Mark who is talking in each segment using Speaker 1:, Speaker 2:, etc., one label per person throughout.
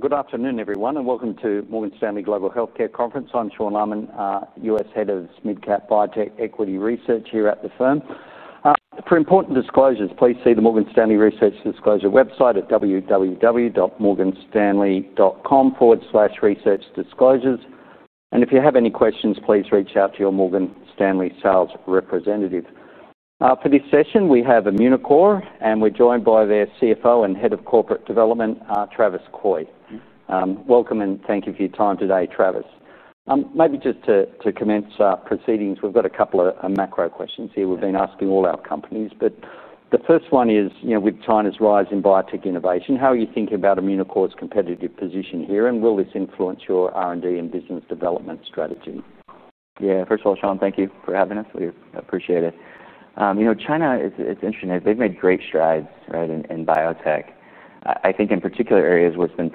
Speaker 1: Good afternoon, everyone, and welcome to the Morgan Stanley Global Healthcare Conference. I'm Sean Laaman, US Head of Midcap Biotech Equity Research here at the firm. For important disclosures, please see the Morgan Stanley Research Disclosure website at www.morganstanley.com/researchdisclosures. If you have any questions, please reach out to your Morgan Stanley sales representative. For this session, we have Immunocore, and we're joined by their CFO and Head of Corporate Development, Travis Coy. Welcome, and thank you for your time today, Travis. Maybe just to commence proceedings, we've got a couple of macro questions here we've been asking all our companies. The first one is, you know, with China's rise in biotech innovation, how are you thinking about Immunocore's competitive position here? Will this influence your R&D and business development strategy? Yeah, first of all, Sean, thank you for having us. We appreciate it. You know, China, it's interesting, they've made great strides in biotech. I think in particular areas where it's been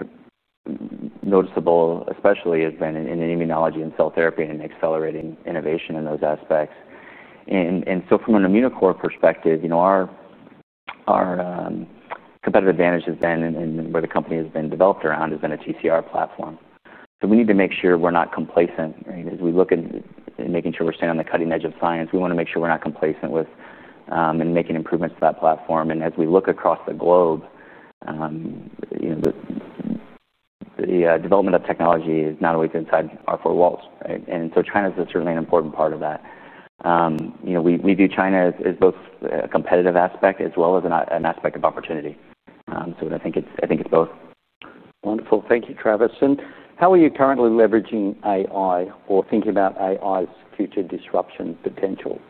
Speaker 1: noticeable, especially has been in immunology and cell therapy and accelerating innovation in those aspects. From an Immunocore perspective, our competitive advantage has been, and where the company has been developed around, has been a TCR platform. We need to make sure we're not complacent. Right? As we look at making sure we're staying on the cutting edge of science, we want to make sure we're not complacent with making improvements to that platform. As we look across the globe, the development of technology is not always inside our four walls. Right? China is certainly an important part of that. We view China as both a competitive aspect as well as an aspect of opportunity. I think it's both. Wonderful. Thank you, Travis. How are you currently leveraging artificial intelligence or thinking about artificial intelligence's future disruption potential?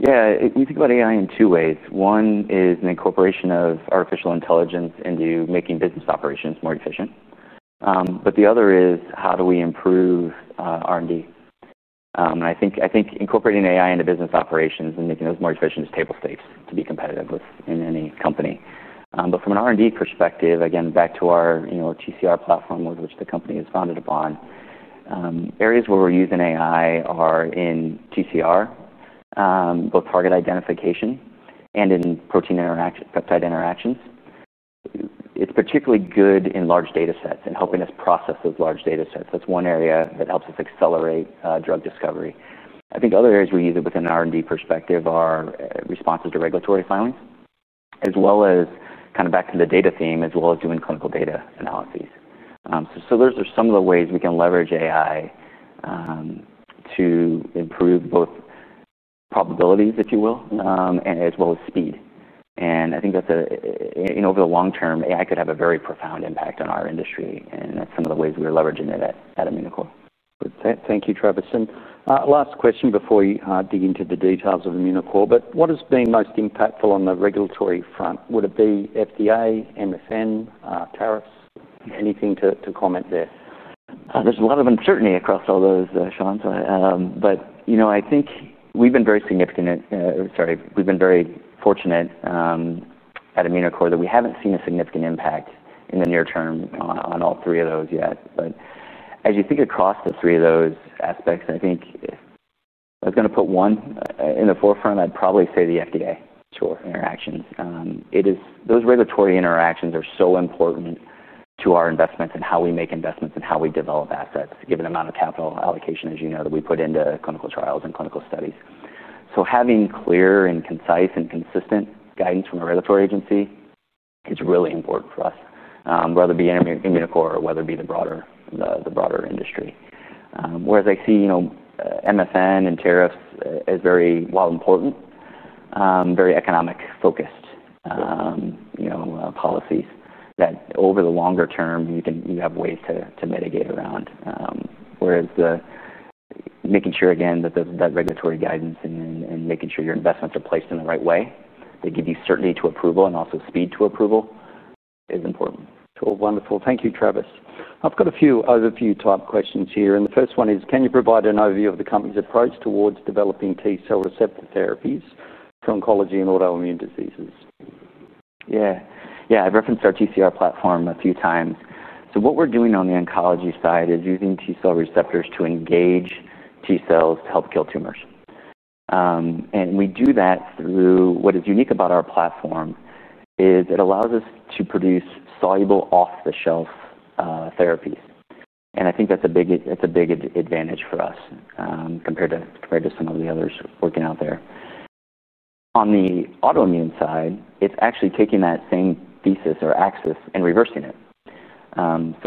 Speaker 1: Yeah, you think about AI in two ways. One is the incorporation of artificial intelligence into making business operations more efficient. The other is, how do we improve R&D? I think incorporating AI into business operations and making those more efficient is table stakes to be competitive in any company. From an R&D perspective, again, back to our TCR platform, which the company is founded upon, areas where we're using AI are in TCR, both target identification and in protein peptide interactions. It's particularly good in large data sets and helping us process those large data sets. That's one area that helps us accelerate drug discovery. I think other areas we use it within an R&D perspective are responses to regulatory filings, as well as kind of back to the data theme, as well as doing clinical data analyses. Those are some of the ways we can leverage AI to improve both probabilities, if you will, as well as speed. I think that over the long term, AI could have a very profound impact on our industry. That's some of the ways we're leveraging it at Immunocore. Thank you, Travis. Last question before we dig into the details of Immunocore, what has been most impactful on the regulatory front? Would it be FDA, MFN, tariffs? Anything to comment there?
Speaker 2: There's a lot of uncertainty across all those, Sean. I think we've been very fortunate at Immunocore that we haven't seen a significant impact in the near term on all three of those yet. As you think across the three of those aspects, if I was going to put one in the forefront, I'd probably say the FDA interactions. Those regulatory interactions are so important to our investments and how we make investments and how we develop assets, given the amount of capital allocation, as you know, that we put into clinical trials and clinical studies. Having clear, concise, and consistent guidance from a regulatory agency is really important for us, whether it be Immunocore or the broader industry. I see, you know, MFN and tariffs as, while important, very economic-focused policies that over the longer term, you have ways to mitigate around. Making sure, again, that regulatory guidance and making sure your investments are placed in the right way that give you certainty to approval and also speed to approval is important.
Speaker 1: Wonderful. Thank you, Travis. I've got a few other top questions here. The first one is, can you provide an overview of the company's approach towards developing T-cell receptor therapies for oncology and autoimmune diseases? Yeah, I've referenced our TCR platform a few times. What we're doing on the oncology side is using T-cell receptors to engage T-cells to help kill tumors. What is unique about our platform is it allows us to produce soluble, off-the-shelf therapies. I think that's a big advantage for us compared to some of the others working out there. On the autoimmune side, it's actually taking that same thesis or axis and reversing it.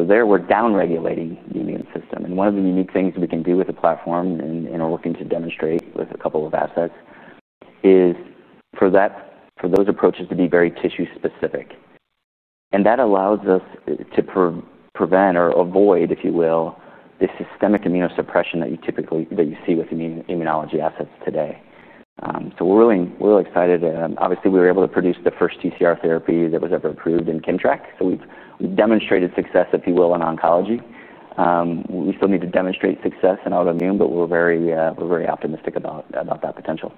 Speaker 1: There, we're downregulating the immune system. One of the unique things we can do with the platform and are looking to demonstrate with a couple of assets is for those approaches to be very tissue-specific. That allows us to prevent or avoid, if you will, this systemic immunosuppression that you typically see with immunology assets today. We're really excited. Obviously, we were able to produce the first TCR therapy that was ever approved in KIMMTRAK. We've demonstrated success, if you will, in oncology. We still need to demonstrate success in autoimmune, but we're very optimistic about that potential.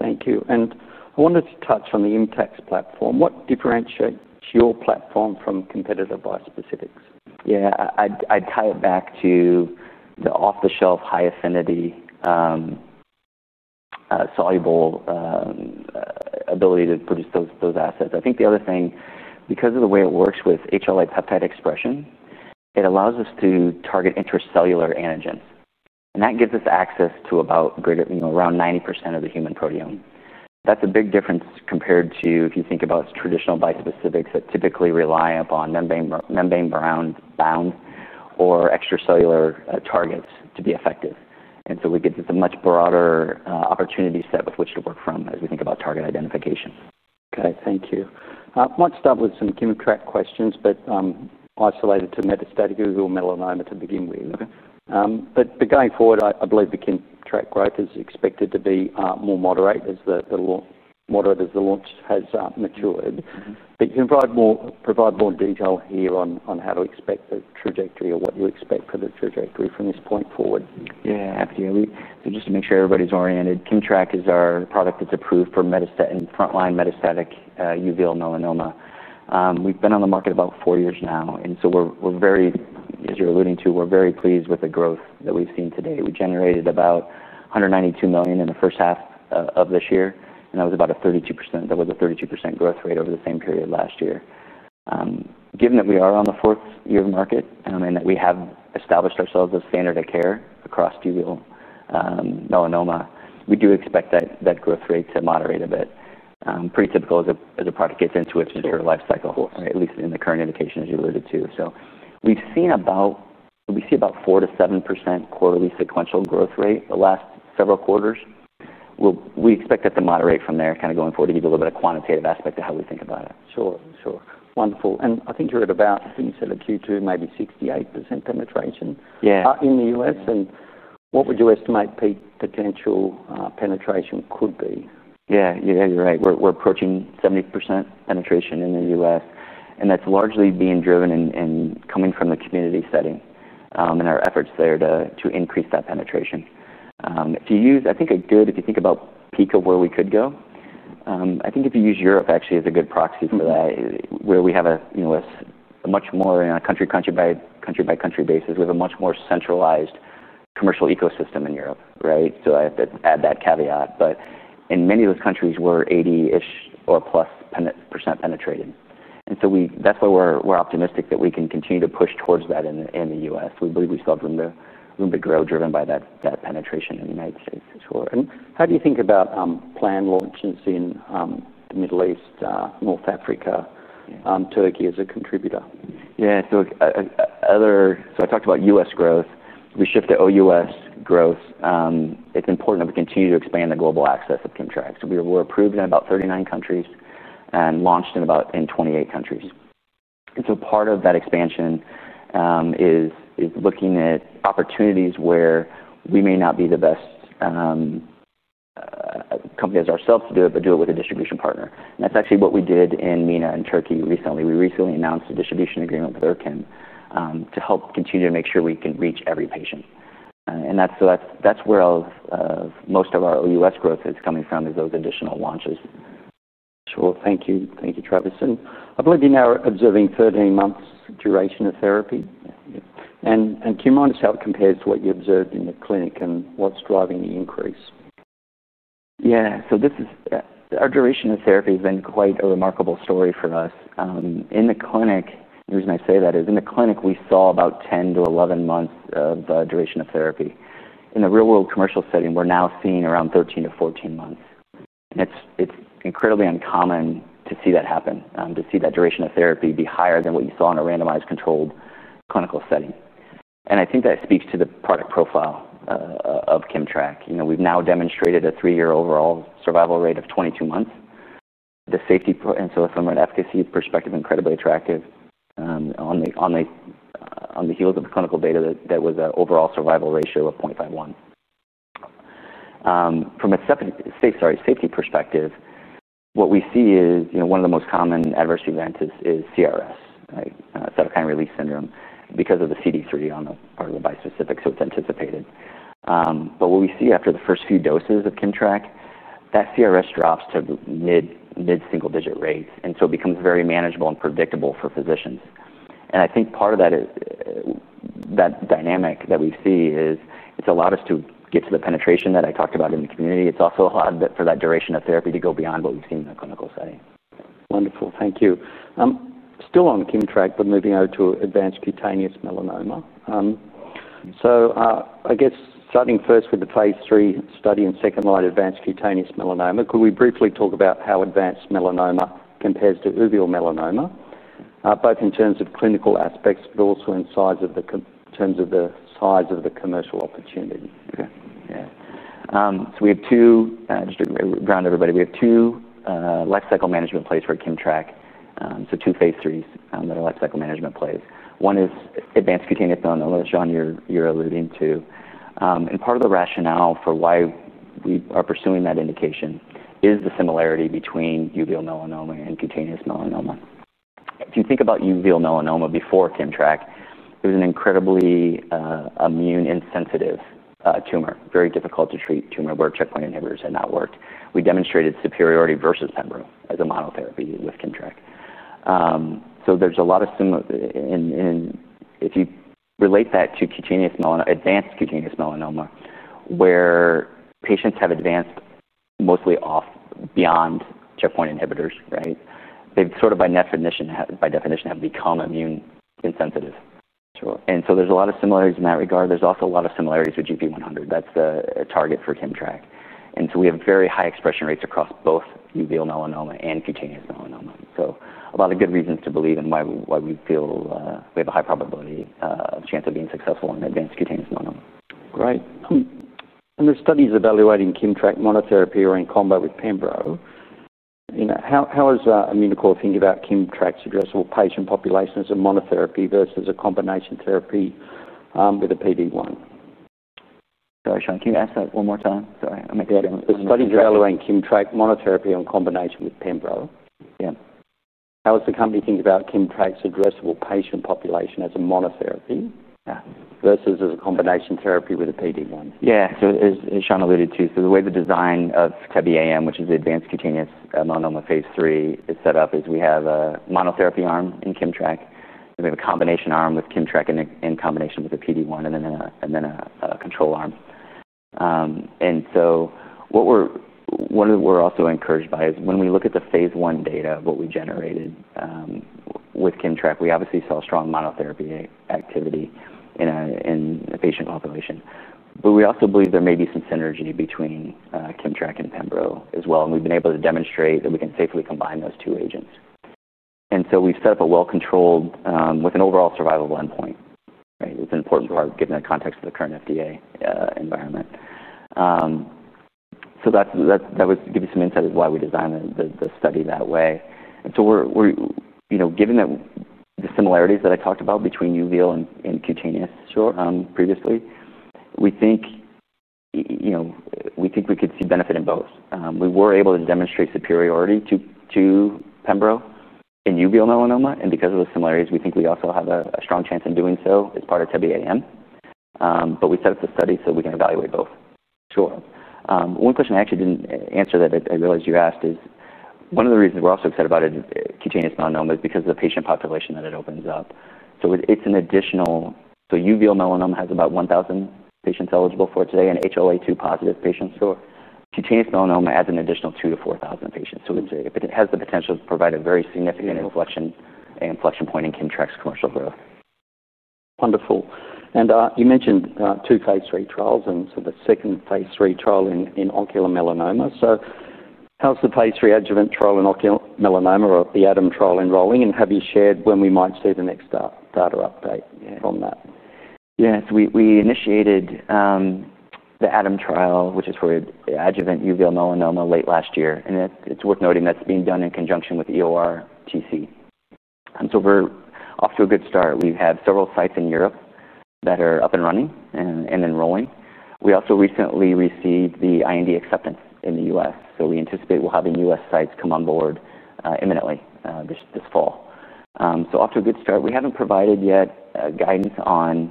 Speaker 1: Thank you. I wanted to touch on the ImmTAX platform. What differentiates your platform from competitive bispecifics?
Speaker 2: Yeah, I'd tie it back to the off-the-shelf, high-affinity, soluble ability to produce those assets. I think the other thing, because of the way it works with HLA peptide expression, it allows us to target intracellular antigens. That gives us access to about 90% of the human proteome. That's a big difference compared to if you think about traditional bispecifics that typically rely upon membrane-bound or extracellular targets to be effective. It gives us a much broader opportunity set with which to work from as we think about target identification.
Speaker 1: OK, thank you. I might start with some KIMMTRAK questions. I'm also led to make a static little middle line at the beginning here. Going forward, I believe the KIMMTRAK growth is expected to be more moderate as the launch has matured. You can provide more detail here on how to expect the trajectory or what you expect for the trajectory from this point forward.
Speaker 2: Yeah, absolutely. Just to make sure everybody's oriented, KIMMTRAK is our product that's approved for frontline metastatic uveal melanoma. We've been on the market about four years now, and we're very, as you're alluding to, we're very pleased with the growth that we've seen to date. We generated about $192 million in the first half of this year, and that was about a 32% growth rate over the same period last year. Given that we are on the fourth year of the market and that we have established ourselves as standard of care across uveal melanoma, we do expect that growth rate to moderate a bit. This is pretty typical as a product gets into its mature lifecycle, at least in the current indication, as you alluded to. We've seen about, we see about 4%-7% quarterly sequential growth rate the last several quarters. We expect it to moderate from there going forward to give you a little bit of quantitative aspect to how we think about it.
Speaker 1: Sure. Wonderful. I think you're at about, I think you said at Q2 it might be 68% penetration.
Speaker 2: Yeah.
Speaker 1: In the U.S., what would you estimate peak potential penetration could be?
Speaker 2: Yeah, yeah, you're right. We're approaching 70% penetration in the U.S., and that's largely being driven and coming from the community setting and our efforts there to increase that penetration. I think if you think about peak of where we could go, I think if you use Europe actually as a good proxy for that, where we have a much more, on a country-by-country basis, we have a much more centralized commercial ecosystem in Europe, right? I have to add that caveat. In many of those countries, we're 80% or plus percent penetrated, and that's why we're optimistic that we can continue to push towards that in the U.S. We believe we still have room to grow driven by that penetration in the United States.
Speaker 1: How do you think about planned launches in the Middle East, North Africa, Turkey as a contributor?
Speaker 2: Yeah, so I talked about U.S. growth. If we shift to OUS growth, it's important that we continue to expand the global access of KIMMTRAK. We were approved in about 39 countries and launched in about 28 countries. Part of that expansion is looking at opportunities where we may not be the best company as ourselves to do it, but do it with a distribution partner. That's actually what we did in the Middle East, North Africa, and Turkey recently. We recently announced a distribution agreement with ORCAN to help continue to make sure we can reach every patient. That's where most of our OUS growth is coming from, those additional launches.
Speaker 1: Sure. Thank you, Travis. I believe you're now observing 13 months duration of therapy. Can you remind us how it compares to what you observed in the clinic and what's driving the increase? Yeah, so our duration of therapy has been quite a remarkable story for us. The reason I say that is in the clinic, we saw about 10-11 months of duration of therapy. In the real-world commercial setting, we're now seeing around 13-14 months. It's incredibly uncommon to see that happen, to see that duration of therapy be higher than what you saw in a randomized controlled clinical setting. I think that speaks to the product profile of KIMMTRAK. We've now demonstrated a three-year overall survival rate of 22 months. The safety, and so from an efficacy perspective, is incredibly attractive. On the heels of the clinical data, that was an overall survival ratio of 0.51. From a safety perspective, what we see is one of the most common adverse events is CRS, cytokine release syndrome, because of the CD3 on the bispecific. It's anticipated. What we see after the first few doses of KIMMTRAK, that CRS drops to mid-single-digit rates. It becomes very manageable and predictable for physicians. I think part of that dynamic that we see is it's allowed us to get to the penetration that I talked about in the community. It's also allowed for that duration of therapy to go beyond what we've seen in the clinical setting. Wonderful. Thank you. Still on KIMMTRAK, but moving over to advanced cutaneous melanoma. I guess starting first with the Phase III study in second line advanced cutaneous melanoma, could we briefly talk about how advanced melanoma compares to uveal melanoma, both in terms of clinical aspects, but also in terms of the size of the commercial opportunity?
Speaker 2: Yeah. We have two, just to ground everybody, we have two lifecycle management plays for KIMMTRAK, so two Phase IIIs that are lifecycle management plays. One is advanced cutaneous melanoma, as Sean, you're alluding to. Part of the rationale for why we are pursuing that indication is the similarity between uveal melanoma and cutaneous melanoma. If you think about uveal melanoma before KIMMTRAK, it was an incredibly immune-insensitive tumor, very difficult to treat tumor where checkpoint inhibitors had not worked. We demonstrated superiority versus pembro as a monotherapy with KIMMTRAK. There are a lot of similar, and if you relate that to advanced cutaneous melanoma, where patients have advanced mostly off, beyond checkpoint inhibitors, right, they sort of by definition have become immune-insensitive. There are a lot of similarities in that regard. There are also a lot of similarities with GP100. That's a target for KIMMTRAK. We have very high expression rates across both uveal melanoma and cutaneous melanoma. There are a lot of good reasons to believe and why we feel we have a high probability chance of being successful on advanced cutaneous melanoma.
Speaker 1: Great. There are studies evaluating KIMMTRAK monotherapy or in combination with pembro. How is Immunocore thinking about KIMMTRAK's addressable patient population as a monotherapy versus a combination therapy with a PD-1? Sorry, Sean, can you ask that one more time? Sorry, I'm getting... Studies evaluating KIMMTRAK monotherapy in combination with pembro.
Speaker 2: Yeah.
Speaker 1: How does the company think about KIMMTRAK's addressable patient population as a monotherapy versus as a combination therapy with a PD-1?
Speaker 2: Yeah, so as Sean alluded to, the way the design of TEBI-AM, which is the advanced cutaneous melanoma Phase III, is set up is we have a monotherapy arm in KIMMTRAK, and we have a combination arm with KIMMTRAK in combination with a PD-1, and then a control arm. What we're also encouraged by is when we look at the Phase I data, what we generated with KIMMTRAK, we obviously saw strong monotherapy activity in the patient population. We also believe there may be some synergy between KIMMTRAK and pembro as well. We've been able to demonstrate that we can safely combine those two agents. We've set up a well-controlled with an overall survival of one point. It's an important part given the context of the current FDA environment. That would give you some insight as to why we designed the study that way. Given the similarities that I talked about between uveal and cutaneous previously, we think we could see benefit in both. We were able to demonstrate superiority to pembro in uveal melanoma. Because of those similarities, we think we also have a strong chance in doing so as part of TEBI-AM. We set up the study so we can evaluate both.
Speaker 1: Sure.
Speaker 2: One question I actually didn't answer that I realized you asked is one of the reasons we're also excited about cutaneous melanoma is because of the patient population that it opens up. It's an additional, so uveal melanoma has about 1,000 patients eligible for it today and HLA2 positive patients.
Speaker 1: Sure.
Speaker 2: Cutaneous melanoma adds an additional 2,000-4,000 patients. It has the potential to provide a very significant inflection point in KIMMTRAK's commercial growth.
Speaker 1: Wonderful. You mentioned two Phase III trials, and the second Phase III trial in cutaneous melanoma. How is the Phase III adjuvant trial in uveal melanoma, or the ADAM trial, unrolling? Have you shared when we might see the next data update from that?
Speaker 2: Yeah, we initiated the ADAM trial, which is for the adjuvant uveal melanoma, late last year. It's worth noting that's being done in conjunction with EORTC. We're off to a good start. We have several sites in Europe that are up and running and enrolling. We also recently received the IND acceptance in the U.S. We anticipate we'll have U.S. sites come on board imminently this fall. We're off to a good start. We haven't provided yet guidance on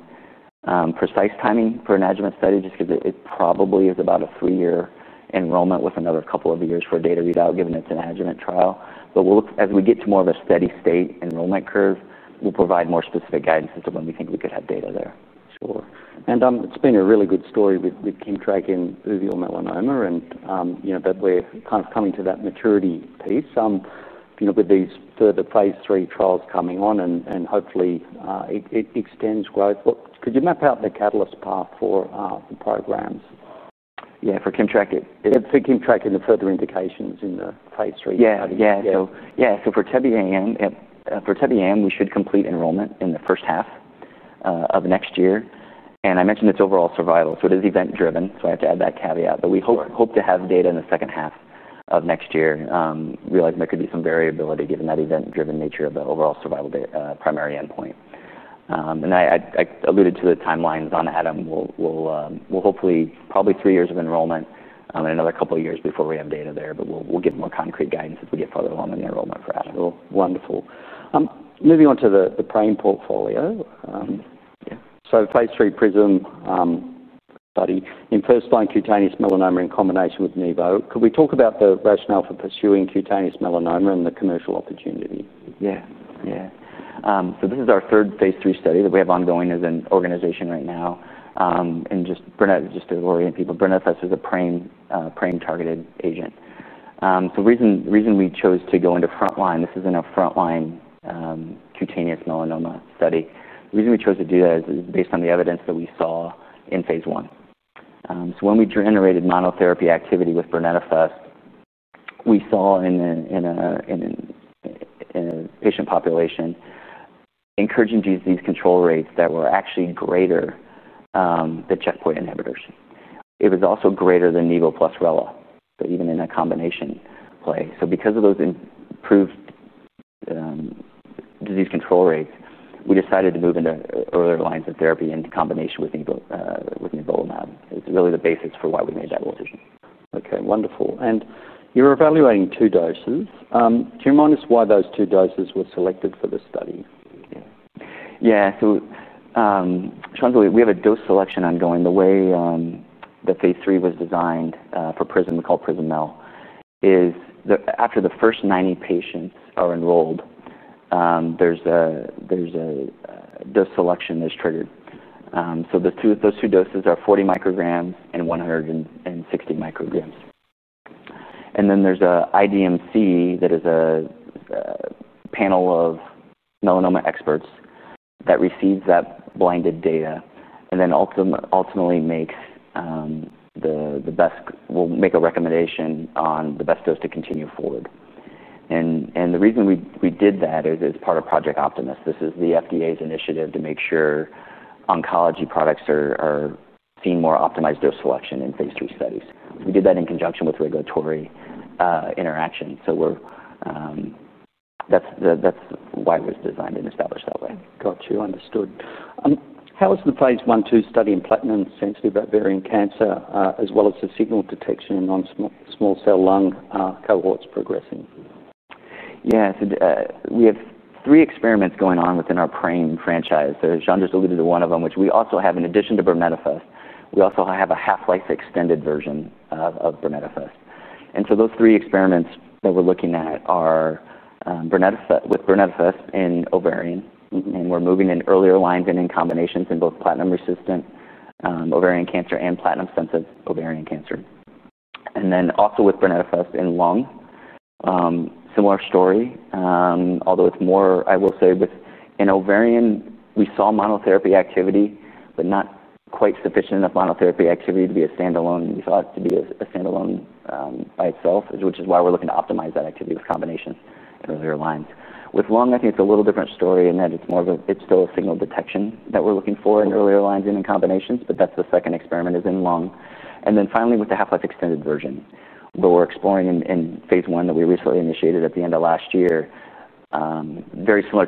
Speaker 2: precise timing for an adjuvant study just because it probably is about a three-year enrollment with another couple of years for data readout given it's an adjuvant trial. As we get to more of a steady state enrollment curve, we'll provide more specific guidance as to when we think we could have data there.
Speaker 1: Sure. It's been a really good story with KIMMTRAK in uveal melanoma and you know, bernetofusp coming to that maturity pace. With the Phase III trials coming on and hopefully it extends growth, could you map out the catalyst path for the programs? Yeah, for KIMMTRAK? For KIMMTRAK and the further indications in the Phase III study.
Speaker 2: Yeah, yeah, so for TEBI-AM, we should complete enrollment in the first half of next year. I mentioned it's overall survival, so it is event-driven. I have to add that caveat, but we hope to have data in the second half of next year. We realize there could be some variability given that event-driven nature of the overall survival primary endpoint. I alluded to the timelines on ADAM. We'll hopefully, probably three years of enrollment and another couple of years before we have data there. We'll get more concrete guidance as we get further along in the enrollment.
Speaker 1: Wonderful. Moving on to the PRAME portfolio. The Phase III PRISM study in first line cutaneous melanoma in combination with nivolumab. Could we talk about the rationale for pursuing cutaneous melanoma and the commercial opportunity?
Speaker 2: Yeah, yeah. This is our third Phase III study that we have ongoing as an organization right now. Just to orient people, bernetofusp is a PRAME-targeted agent. The reason we chose to go into frontline, this is in our frontline cutaneous melanoma study. The reason we chose to do that is based on the evidence that we saw in Phase I. When we generated monotherapy activity with bernetofusp, we saw in a patient population encouraging disease control rates that were actually greater than checkpoint inhibitors. It was also greater than NIVO plus rela, even in a combination play. Because of those improved disease control rates, we decided to move into earlier lines of therapy in combination with nivolumab. It's really the basis for why we made that.
Speaker 1: OK, wonderful. You're evaluating two doses. Can you remind us why those two doses were selected for the study? Yeah, Sean, we have a dose selection ongoing. The way the Phase III was designed for PRISM, we call it PRISM-mel, is after the first 90 patients are enrolled, there's a dose selection that's triggered. Those two doses are 40 micrograms and 160 micrograms. There's an IDMC that is a panel of melanoma experts that receives that blinded data and ultimately will make a recommendation on the best dose to continue forward. The reason we did that is as part of Project Optimist. This is the FDA's initiative to make sure oncology products are seeing more optimized dose selection in Phase III studies. We did that in conjunction with regulatory interactions. That's why it was designed and established that way. Got you. Understood. How is the Phase I-II study in platinum-sensitive ovarian cancer, as well as the signal detection in non-small cell lung cohorts progressing? Yeah, so we have three experiments going on within our PRAME franchise. Sean just alluded to one of them, which we also have, in addition to bernetofusp, we also have a half-life extended version of bernetofusp. Those three experiments that we're looking at are with bernetofusp in ovarian. We're moving in earlier lines and in combinations in both platinum-resistant ovarian cancer and platinum-sensitive ovarian cancer. Also with bernetofusp in lung, similar story, although it's more, I will say, in ovarian, we saw monotherapy activity, but not quite sufficient enough monotherapy activity to be a standalone, we thought, to be a standalone by itself, which is why we're looking to optimize that activity with combinations in earlier lines. With lung, I think it's a little different story in that it's more of a signal detection that we're looking for in earlier lines and in combinations. The second experiment is in lung. Finally, with the half-life extended version, we're exploring in Phase I that we recently initiated at the end of last year, very similar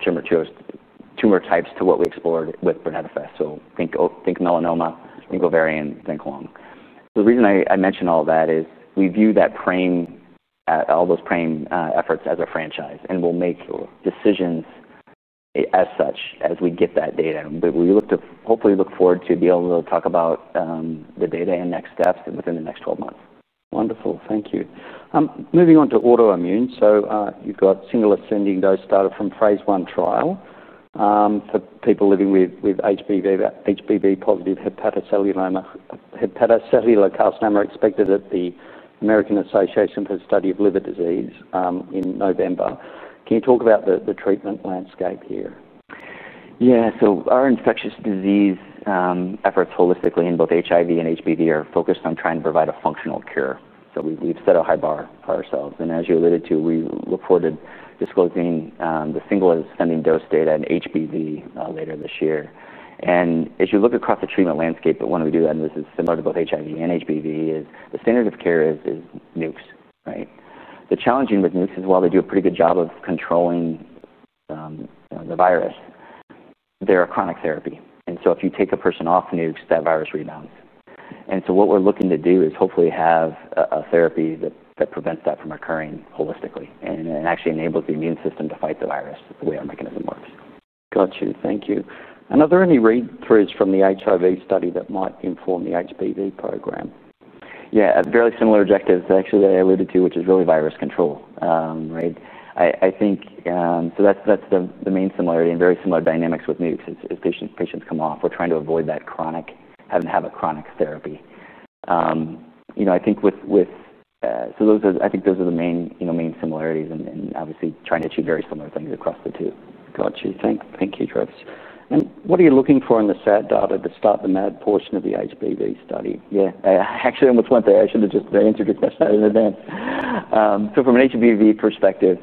Speaker 1: tumor types to what we explored with bernetofusp. Think melanoma, think ovarian, think lung. The reason I mention all that is we view that PRAME, all those PRAME efforts as a franchise. We'll make decisions as such as we get that data. We hopefully look forward to be able to talk about the data and next steps within the next 12 months. Wonderful. Thank you. Moving on to autoimmune. You've got single-assembly dose started from Phase I trial for people living with HBV-positive hepatocellular carcinoma expected at the American Association for the Study of Liver Disease in November. Can you talk about the treatment landscape here?
Speaker 2: Yeah, so our infectious disease efforts holistically in both HIV and HBV are focused on trying to provide a functional cure. We have set a high bar for ourselves. As you alluded to, we look forward to disclosing the single-assembly dose data in HBV later this year. As you look across the treatment landscape, when we do that, and this is similar to both HIV and HBV, the standard of care is NUKES. The challenge with NUKES is while they do a pretty good job of controlling the virus, they're a chronic therapy. If you take a person off NUKES, that virus rebounds. What we're looking to do is hopefully have a therapy that prevents that from occurring holistically and actually enables the immune system to fight the virus, the way our mechanism works.
Speaker 1: Thank you. Are there any read-throughs from the HIV study that might inform the HBV program?
Speaker 2: Yeah, a very similar objective that actually I alluded to, which is really virus control, right? I think that's the main similarity and very similar dynamics with NUKES. As patients come off, we're trying to avoid that chronic, having to have a chronic therapy. I think those are the main similarities and obviously trying to achieve very similar things across the two.
Speaker 1: Got you. Thank you, Travis. What are you looking for in the SAT data to start the MAD portion of the HBV study? I actually almost went there. I should have just answered your question earlier then. From an HBV perspective,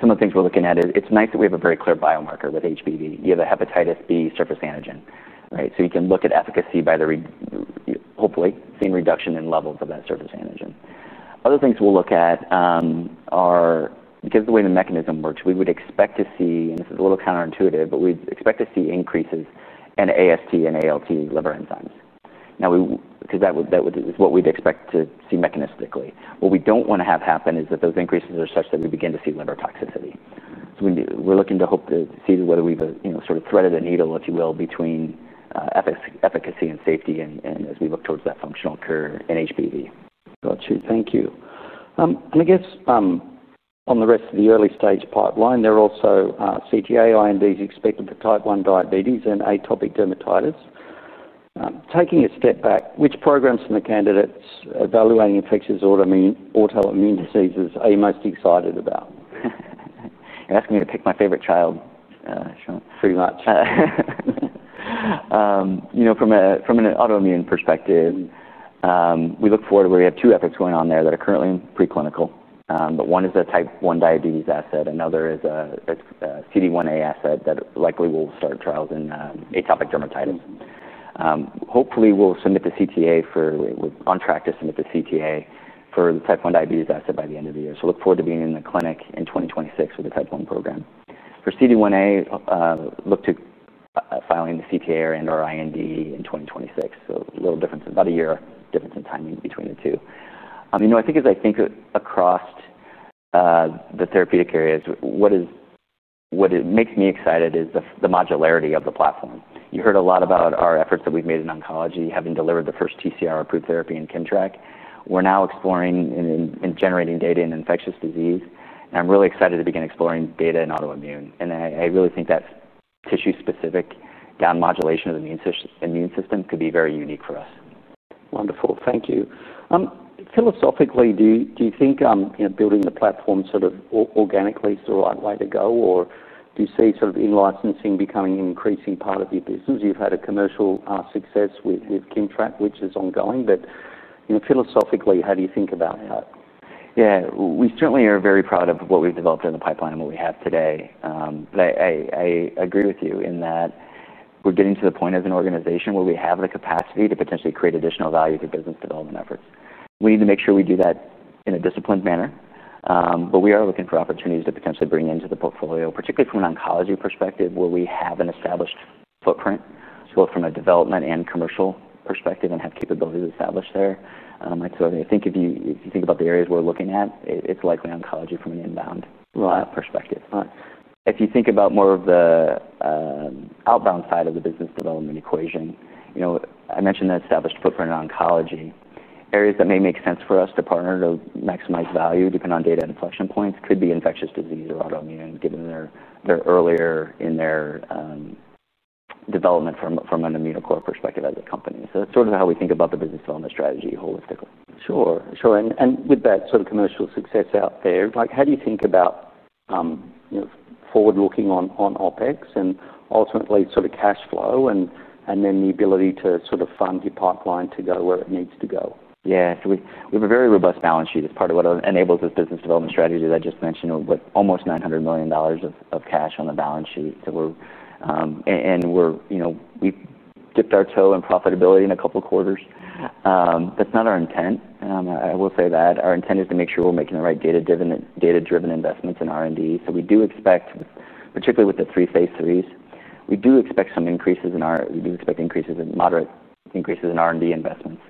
Speaker 1: some of the things we're looking at, it's nice that we have a very clear biomarker with HBV. You have a hepatitis B surface antigen, right? You can look at efficacy by hopefully seeing reduction in levels of that surface antigen. Other things we'll look at are, because of the way the mechanism works, we would expect to see, and this is a little counterintuitive, but we'd expect to see increases in AST and ALT liver enzymes. That is what we'd expect to see mechanistically. What we don't want to have happen is that those increases are such that we begin to see liver toxicity. We're looking to hope to see whether we've sort of threaded a needle, if you will, between efficacy and safety as we look towards that functional curve in HBV. Thank you. I guess on the rest of the early stage pipeline, there are also CGA INDs expected for type 1 diabetes and atopic dermatitis. Taking a step back, which programs in the candidates evaluating infectious autoimmune diseases are you most excited about? You're asking me to pick my favorite child. Pretty much.
Speaker 2: From an autoimmune perspective, we look forward to where we have two efforts going on there that are currently preclinical. One is a type 1 diabetes asset. Another is a CD1A asset that likely will start trials in atopic dermatitis. Hopefully, we're on track to submit the CTA for the type 1 diabetes asset by the end of the year. I look forward to being in the clinic in 2026 for the type 1 program. For CD1A, look to filing the CTA and/or IND in 2026. There is a little difference, about a year difference in timing between the two. As I think across the therapeutic areas, what makes me excited is the modularity of the platform. You heard a lot about our efforts that we've made in oncology, having delivered the first TCR-approved therapy in KIMMTRAK. We're now exploring and generating data in infectious disease. I'm really excited to begin exploring data in autoimmune. I really think that tissue-specific down modulation of the immune system could be very unique for us.
Speaker 1: Wonderful. Thank you. Philosophically, do you think building the platform sort of organically is the right way to go? Or do you see sort of in-licensing becoming an increasing part of your business? You've had a commercial success with KIMMTRAK, which is ongoing. Philosophically, how do you think about that?
Speaker 2: Yeah, we certainly are very proud of what we've developed in the pipeline and what we have today. I agree with you in that we're getting to the point as an organization where we have the capacity to potentially create additional value through business development efforts. We need to make sure we do that in a disciplined manner. We are looking for opportunities to potentially bring into the portfolio, particularly from an oncology perspective, where we have an established footprint from a development and commercial perspective and have capabilities established there. I think if you think about the areas we're looking at, it's likely oncology from an inbound perspective. If you think about more of the outbound side of the business development equation, I mentioned that established footprint in oncology. Areas that may make sense for us to partner to maximize value, depending on data and inflection points, could be infectious disease or autoimmune, given they're earlier in their development from an Immunocore perspective as a company. That's sort of how we think about the business development strategy holistically.
Speaker 1: Sure. With that sort of commercial success out there, how do you think about forward looking on OpEx and ultimately sort of cash flow and then the ability to sort of fund your pipeline to go where it needs to go?
Speaker 2: Yeah, so we have a very robust balance sheet. It's part of what enables this business development strategy that I just mentioned with almost $900 million of cash on the balance sheet. We dipped our toe in profitability in a couple of quarters. That's not our intent. I will say that. Our intent is to make sure we're making the right data-driven investments in R&D. We do expect, particularly with the three Phase IIIs, some increases in our R&D investments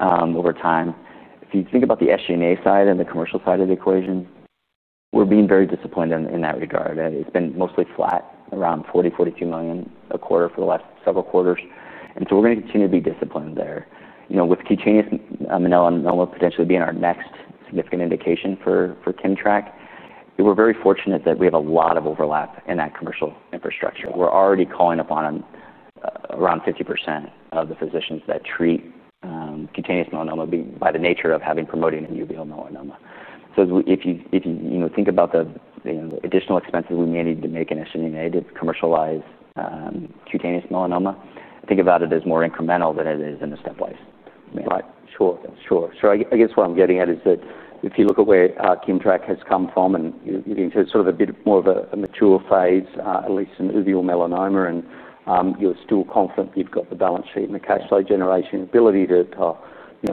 Speaker 2: over time. If you think about the SG&A side and the commercial side of the equation, we're being very disciplined in that regard. It's been mostly flat around $40 million, $42 million a quarter for the last several quarters. We're going to continue to be disciplined there. With cutaneous melanoma potentially being our next significant indication for KIMMTRAK, we're very fortunate that we have a lot of overlap in that commercial infrastructure. We're already calling upon around 50% of the physicians that treat cutaneous melanoma by the nature of having promoting in uveal melanoma. If you think about the additional expenses we may need to make in SG&A to commercialize cutaneous melanoma, think about it as more incremental than it is in a step-wise.
Speaker 1: Sure. I guess what I'm getting at is that if you look at where KIMMTRAK has come from and you're getting to sort of a bit more of a mature phase, at least in uveal melanoma, and you're still confident you've got the balance sheet and the cash flow generation, ability to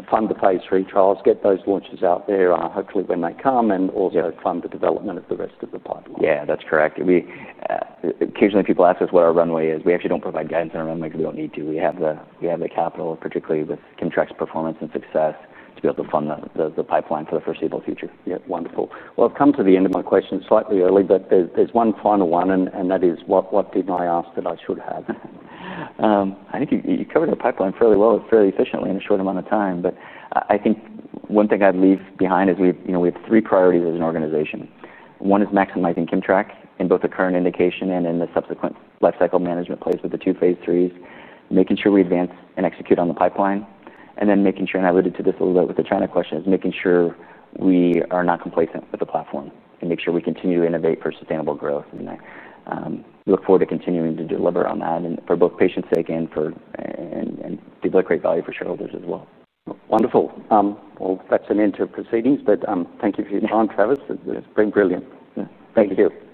Speaker 1: fund the Phase III trials, get those launches out there, hopefully when they come, and also fund the development of the rest of the pipeline.
Speaker 2: Yeah, that's correct. Occasionally, people ask us what our runway is. We actually don't provide guidance on our runway because we don't need to. We have the capital, particularly with KIMMTRAK's performance and success, to be able to fund the pipeline for the foreseeable future.
Speaker 1: Yeah, wonderful. I've come to the end of my questions slightly early, but there's one final one. That is, what didn't I ask that I should have? I think you covered the pipeline fairly well and fairly efficiently in a short amount of time. I think one thing I'd leave behind is we have three priorities as an organization. One is maximizing KIMMTRAK in both the current indication and in the subsequent lifecycle management place with the two Phase IIIs, making sure we advance and execute on the pipeline. Making sure, and I alluded to this a little bit with the China question, is making sure we are not complacent with the platform and make sure we continue to innovate for sustainable growth. I look forward to continuing to deliver on that for both patients' sake and to deliver great value for shareholders as well. Wonderful. That is an end to proceedings. Thank you for your time, Travis. It was pretty brilliant.
Speaker 2: Thank you, too. Thank you.